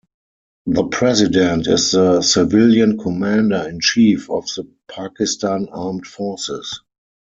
The President is the civilian Commander in Chief of the Pakistan Armed Forces.